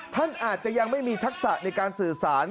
ท่านอาจจะยังไม่มีทักษะในการสื่อสาร